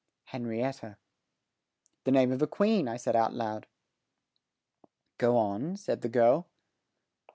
"Henrietta." "The name of a queen," I said aloud. "Go on," said the girl.